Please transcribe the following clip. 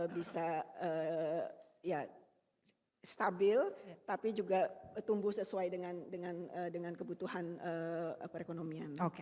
bisa ya stabil tapi juga tumbuh sesuai dengan kebutuhan perekonomian